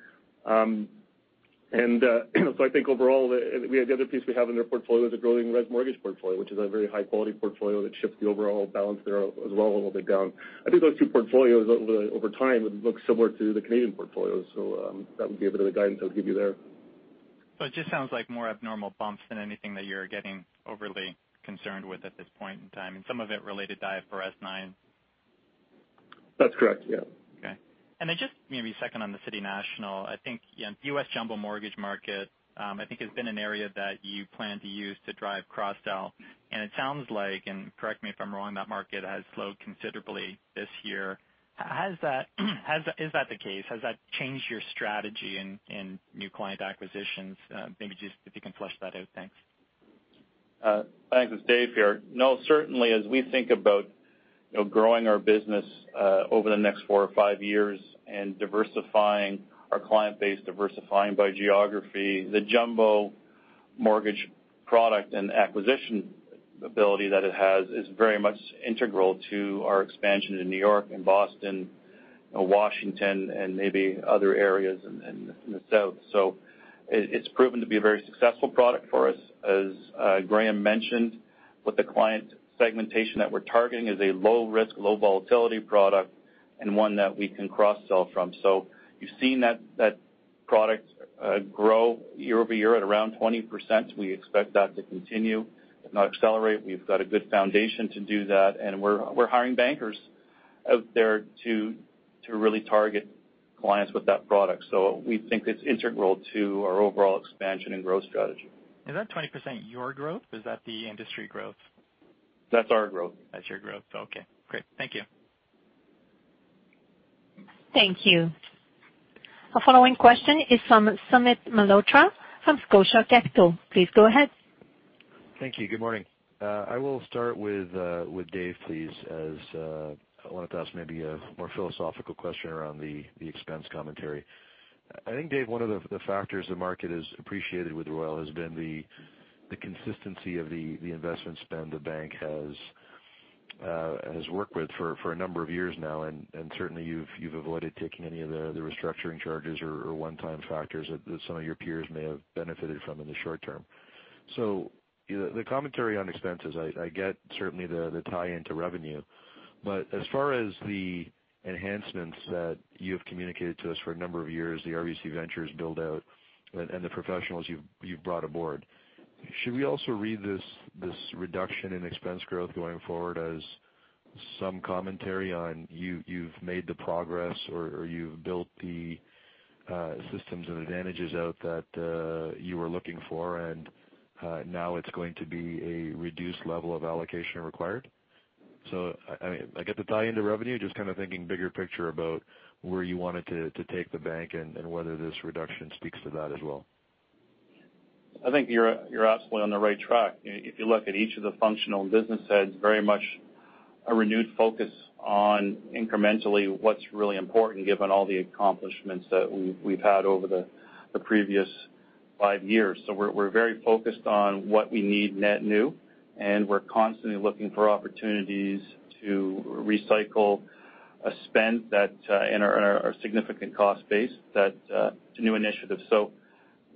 I think overall, the other piece we have in their portfolio is a growing resi mortgage portfolio, which is a very high-quality portfolio that shifts the overall balance there as well a little bit down. I think those two portfolios over time would look similar to the Canadian portfolios, that would be a bit of the guidance I'll give you there. It just sounds like more abnormal bumps than anything that you're getting overly concerned with at this point in time, and some of it related to IFRS 9. That's correct. Yeah. Okay. Just maybe second on the City National, I think the U.S. jumbo mortgage market, I think has been an area that you plan to use to drive cross-sell. It sounds like, and correct me if I'm wrong, that market has slowed considerably this year. Is that the case? Has that changed your strategy in new client acquisitions? Maybe just if you can flesh that out. Thanks. Thanks. It's Dave here. Certainly, as we think about growing our business over the next four or five years and diversifying our client base, diversifying by geography, the jumbo mortgage product and acquisition ability that it has is very much integral to our expansion in New York and Boston, Washington, and maybe other areas in the South. It's proven to be a very successful product for us. As Graeme mentioned, with the client segmentation that we're targeting is a low risk, low volatility product and one that we can cross-sell from. You've seen that product grow year-over-year at around 20%. We expect that to continue, if not accelerate. We've got a good foundation to do that, and we're hiring bankers out there to really target clients with that product. We think it's integral to our overall expansion and growth strategy. Is that 20% your growth? Is that the industry growth? That's our growth. That's your growth. Okay, great. Thank you. Thank you. Our following question is from Sumit Malhotra from Scotia Capital. Please go ahead. Thank you. Good morning. I will start with Dave, please, as I wanted to ask maybe a more philosophical question around the expense commentary. I think, Dave, one of the factors the market has appreciated with Royal has been the consistency of the investment spend the bank has worked with for a number of years now. Certainly, you've avoided taking any of the restructuring charges or one-time factors that some of your peers may have benefited from in the short term. The commentary on expenses, I get certainly the tie-in to revenue. As far as the enhancements that you have communicated to us for a number of years, the RBC Ventures build-out and the professionals you've brought aboard, should we also read this reduction in expense growth going forward as some commentary on you've made the progress or you've built the systems and advantages out that you were looking for, and now it's going to be a reduced level of allocation required? I get the tie into revenue, just kind of thinking bigger picture about where you wanted to take the bank and whether this reduction speaks to that as well. I think you're absolutely on the right track. If you look at each of the functional and business heads, very much a renewed focus on incrementally what is really important given all the accomplishments that we've had over the previous five years. We're very focused on what we need net new, and we're constantly looking for opportunities to recycle a spend that in our significant cost base to new initiatives.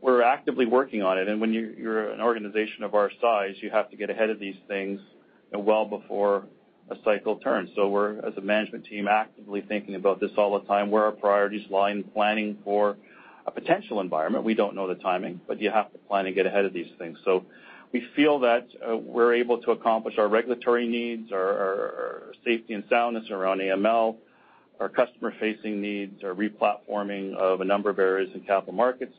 We're actively working on it, and when you're an organization of our size, you have to get ahead of these things well before a cycle turns. We're, as a management team, actively thinking about this all the time, where our priorities lie in planning for a potential environment. We don't know the timing, but you have to plan to get ahead of these things. We feel that we're able to accomplish our regulatory needs, our safety and soundness around AML, our customer-facing needs, our re-platforming of a number of areas in capital markets,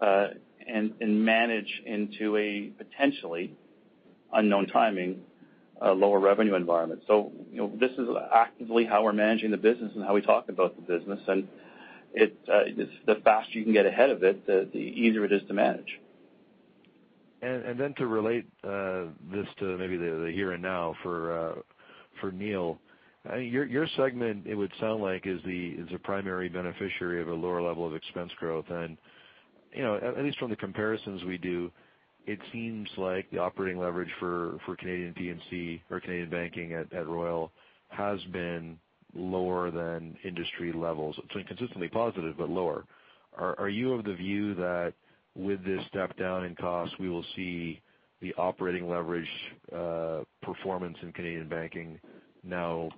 and manage into a potentially unknown timing, a lower revenue environment. This is actively how we're managing the business and how we talk about the business. The faster you can get ahead of it, the easier it is to manage. To relate this to maybe the here and now for Neil. Your segment, it would sound like, is the primary beneficiary of a lower level of expense growth. At least from the comparisons we do, it seems like the operating leverage for Canadian P&C or Canadian banking at Royal has been lower than industry levels. It's been consistently positive, but lower. Are you of the view that with this step-down in costs, we will see the operating leverage performance in Canadian banking now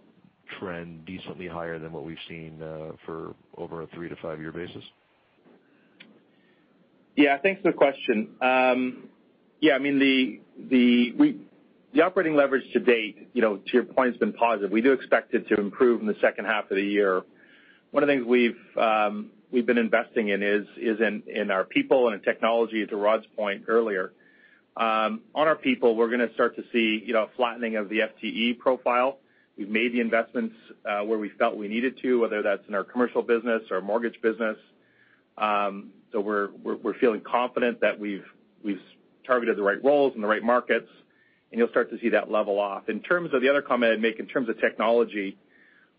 trend decently higher than what we've seen for over a three-to-five year basis? Yeah, thanks for the question. The operating leverage to date, to your point, has been positive. We do expect it to improve in the second half of the year. One of the things we've been investing in is in our people and in technology, to Rod's point earlier. On our people, we're going to start to see a flattening of the FTE profile. We've made the investments where we felt we needed to, whether that's in our commercial business or mortgage business. We're feeling confident that we've targeted the right roles in the right markets, and you'll start to see that level off. In terms of the other comment I'd make, in terms of technology,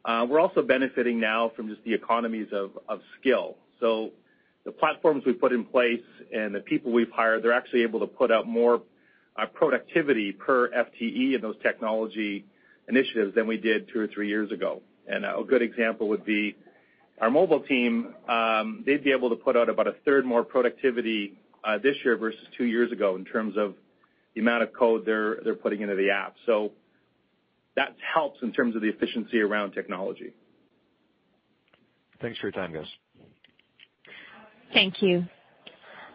we're also benefiting now from just the economies of skill. The platforms we've put in place and the people we've hired, they're actually able to put out more productivity per FTE in those technology initiatives than we did two or three years ago. A good example would be our mobile team. They'd be able to put out about a third more productivity this year versus two years ago in terms of the amount of code they're putting into the app. That helps in terms of the efficiency around technology. Thanks for your time, guys. Thank you.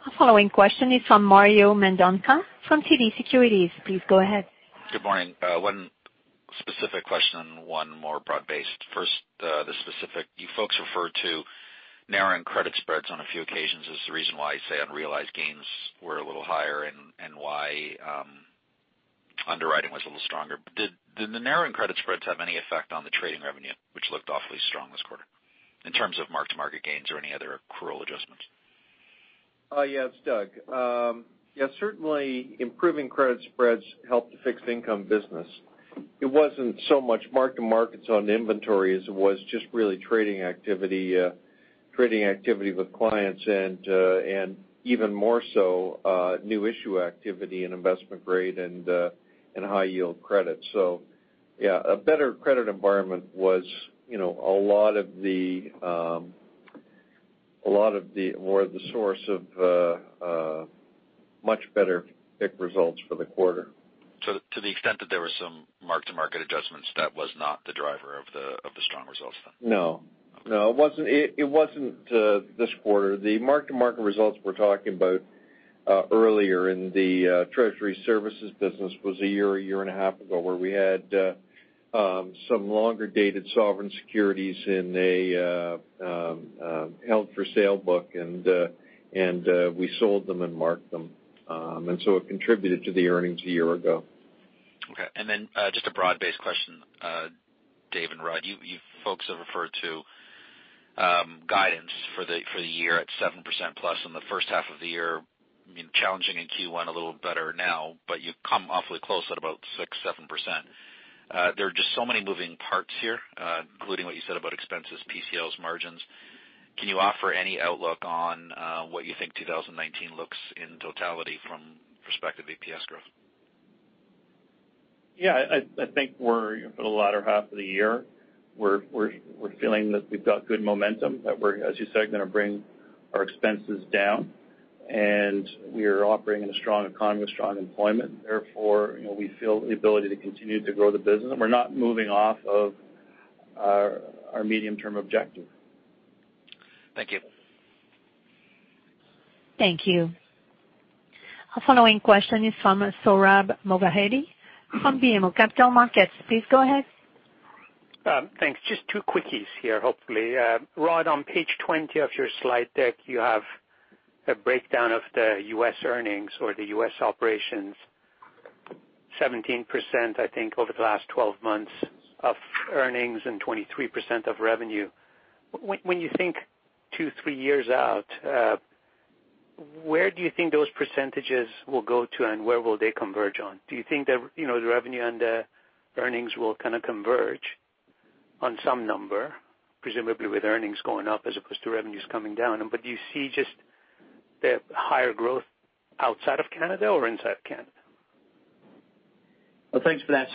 Our following question is from Mario Mendonca from TD Securities. Please go ahead. Good morning. One specific question and one more broad-based. First, the specific. You folks referred to narrowing credit spreads on a few occasions as the reason why, say, unrealized gains were a little higher and why underwriting was a little stronger. Did the narrowing credit spreads have any effect on the trading revenue, which looked awfully strong this quarter in terms of mark-to-market gains or any other accrual adjustments? Yes, Doug. Certainly improving credit spreads helped the fixed income business. It wasn't so much mark-to-markets on inventory as it was just really trading activity with clients and even more so, new issue activity and investment grade and high yield credit. Yeah, a better credit environment was a lot of the source of much better FICC results for the quarter. To the extent that there was some mark-to-market adjustments, that was not the driver of the strong results then? No. It wasn't this quarter. The mark-to-market results we're talking about earlier in the Treasury Services business was a year, a year and a half ago, where we had some longer-dated sovereign securities in a held-for-sale book, and we sold them and marked them. It contributed to the earnings a year ago. Okay. Just a broad-based question, Dave and Rod. You folks have referred to guidance for the year at 7%+ on the first half of the year. Challenging in Q1, a little better now, but you've come awfully close at about 6%, 7%. There are just so many moving parts here, including what you said about expenses, PCLs, margins. Can you offer any outlook on what you think 2019 looks in totality from prospective EPS growth? Yeah, I think for the latter half of the year, we're feeling that we've got good momentum, that we're, as you say, going to bring our expenses down. We're operating in a strong economy with strong employment. Therefore, we feel the ability to continue to grow the business. We're not moving off of our medium-term objective. Thank you. Thank you. Our following question is from Sohrab Movahedi from BMO Capital Markets. Please go ahead. Thanks. Just two quickies here, hopefully. Rod, on page 20 of your slide deck, you have a breakdown of the U.S. earnings or the U.S. operations, 17%, I think, over the last 12 months of earnings and 23% of revenue. When you think two, three years out, where do you think those percentages will go to, and where will they converge on? Do you think the revenue and the earnings will kind of converge on some number, presumably with earnings going up as opposed to revenues coming down? Do you see just the higher growth outside of Canada or inside Canada? Well, thanks for that.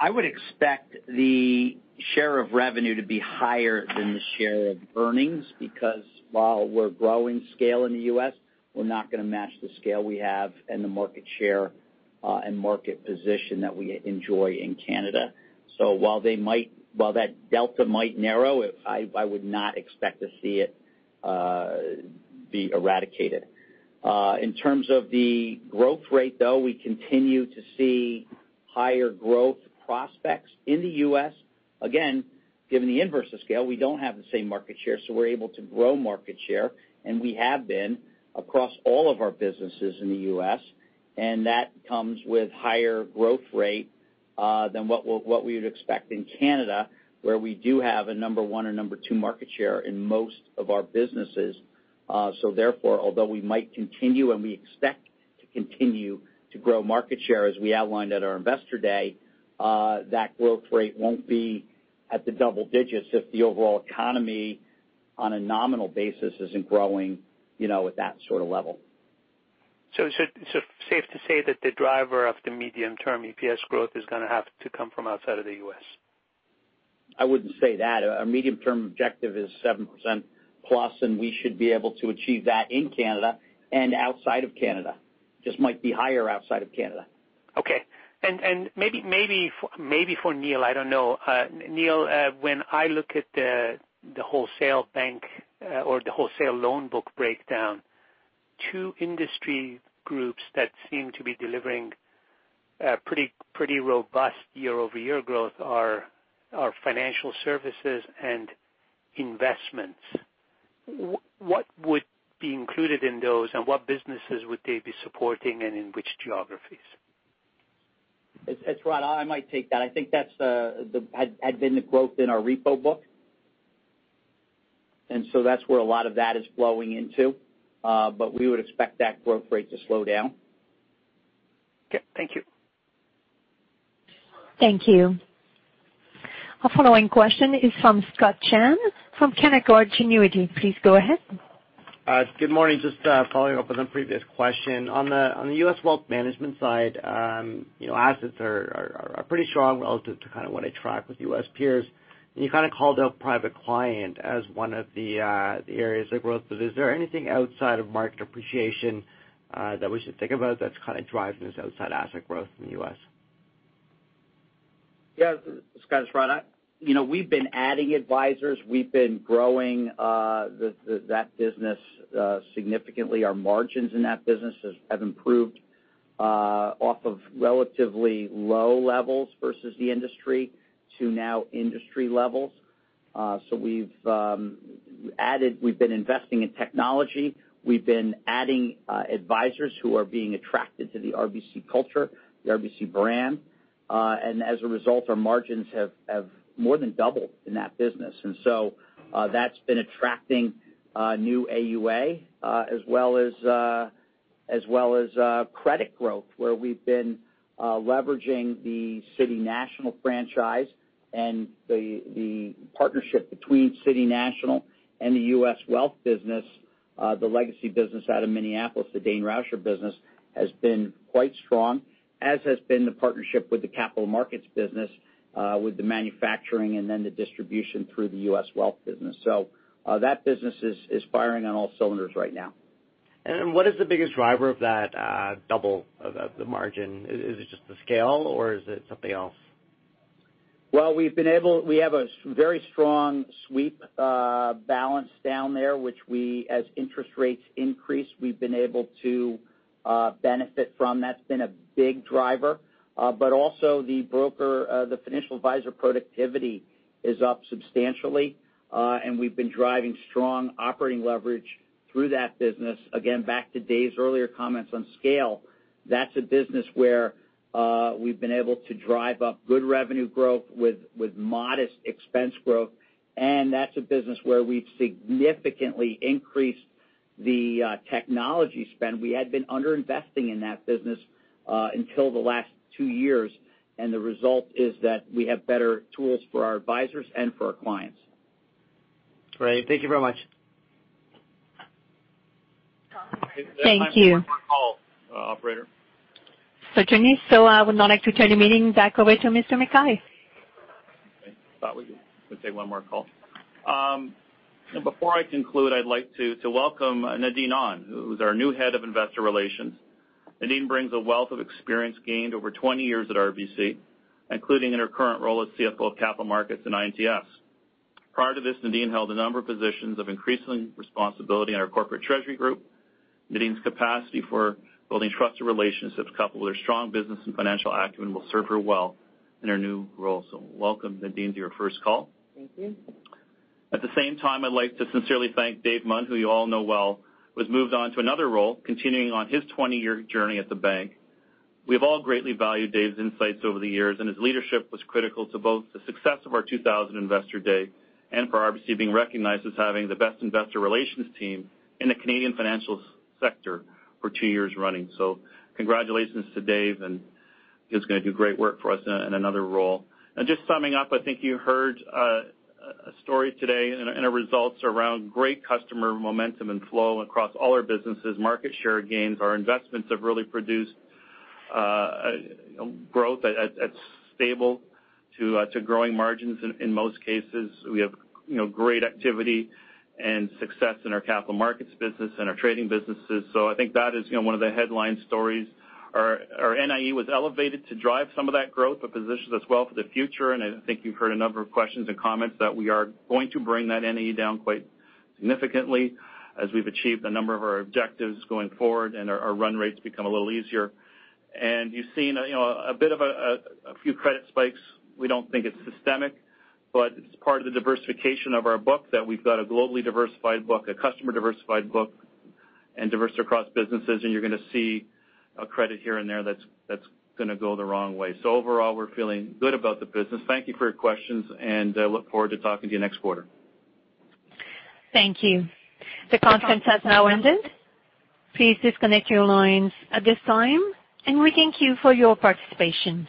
I would expect the share of revenue to be higher than the share of earnings because while we're growing scale in the U.S., we're not going to match the scale we have and the market share and market position that we enjoy in Canada. While that delta might narrow, I would not expect to see it be eradicated. In terms of the growth rate, though, we continue to see higher growth prospects in the U.S. Again, given the inverse of scale, we don't have the same market share, we're able to grow market share, and we have been across all of our businesses in the U.S., and that comes with higher growth rate than what we would expect in Canada, where we do have a number one or number two market share in most of our businesses. Although we might continue, and we expect to continue to grow market share as we outlined at our Investor Day, that growth rate won't be at the double-digits if the overall economy on a nominal basis isn't growing at that sort of level. Is it safe to say that the driver of the medium-term EPS growth is going to have to come from outside of the U.S.? I wouldn't say that. Our medium-term objective is 7%+, and we should be able to achieve that in Canada and outside of Canada. Just might be higher outside of Canada. Okay. Maybe for Neil, I don't know. Neil, when I look at the wholesale bank or the wholesale loan book breakdown, two industry groups that seem to be delivering pretty robust year-over-year growth are financial services and investments. What would be included in those and what businesses would they be supporting, and in which geographies? It's Rod, I might take that. I think that had been the growth in our repo book. That's where a lot of that is flowing into. We would expect that growth rate to slow down. Okay. Thank you. Thank you. Our following question is from Scott Chan from Canaccord Genuity. Please go ahead. Good morning. Just following up on the previous question. On the U.S. wealth management side, assets are pretty strong relative to what I track with U.S. peers. You kind of called out private client as one of the areas of growth, but is there anything outside of market appreciation that we should think about that's driving this outside asset growth in the U.S.? Yeah. Scott, it's Rod. We've been adding advisors. We've been growing that business significantly. Our margins in that business have improved off of relatively low levels versus the industry to now industry levels. We've been investing in technology. We've been adding advisors who are being attracted to the RBC culture, the RBC brand. As a result, our margins have more than doubled in that business. That's been attracting new AUA as well as credit growth, where we've been leveraging the City National franchise and the partnership between City National and the U.S. wealth business, the legacy business out of Minneapolis, the Dain Rauscher business, has been quite strong, as has been the partnership with the capital markets business with the manufacturing and then the distribution through the U.S. wealth business. That business is firing on all cylinders right now. What is the biggest driver of that double of the margin? Is it just the scale or is it something else? Well, we have a very strong sweep balance down there, which as interest rates increase, we've been able to benefit from. That's been a big driver. Also the broker, the financial advisor productivity is up substantially. We've been driving strong operating leverage through that business. Again, back to Dave's earlier comments on scale, that's a business where we've been able to drive up good revenue growth with modest expense growth. That's a business where we've significantly increased the technology spend. We had been under-investing in that business until the last two years, and the result is that we have better tools for our advisors and for our clients. Great. Thank you very much. Thank you. One more call, operator. (inaudible) I would now like to turn the meeting back over to Mr. McKay. Thought we could take one more call. Before I conclude, I'd like to welcome Nadine Ahn, who is our new Head of Investor Relations. Nadine brings a wealth of experience gained over 20 years at RBC, including in her current role as CFO of Capital Markets and I&TS. Prior to this, Nadine held a number of positions of increasing responsibility in our corporate treasury group. Nadine's capacity for building trusted relationships, coupled with her strong business and financial acumen, will serve her well in her new role. Welcome, Nadine, to your first call. Thank you. At the same time, I'd like to sincerely thank Dave McKay, who you all know well, who has moved on to another role, continuing on his 20-year journey at the bank. We've all greatly valued Dave's insights over the years, and his leadership was critical to both the success of our 2018 Investor Day and for RBC being recognized as having the best investor relations team in the Canadian financial sector for two years running. Congratulations to Dave, and he's going to do great work for us in another role. Just summing up, I think you heard a story today and our results around great customer momentum and flow across all our businesses, market share gains. Our investments have really produced growth that's stable to growing margins in most cases. We have great activity and success in our Capital Markets business and our trading businesses. I think that is one of the headline stories. Our NIE was elevated to drive some of that growth, but positions us well for the future. I think you've heard a number of questions and comments that we are going to bring that NIE down quite significantly as we've achieved a number of our objectives going forward and our run rates become a little easier. You've seen a few credit spikes. We don't think it's systemic, but it's part of the diversification of our book that we've got a globally diversified book, a customer-diversified book, and diverse across businesses, and you're going to see a credit here and there that's going to go the wrong way. Overall, we're feeling good about the business. Thank you for your questions, and I look forward to talking to you next quarter. Thank you. The conference has now ended. Please disconnect your lines at this time, and we thank you for your participation.